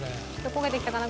焦げてきたかな？